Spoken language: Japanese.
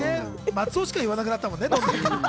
松尾しか言わなくなったもんね。